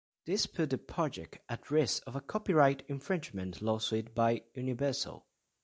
This put the project at risk of a copyright infringement lawsuit by Universal.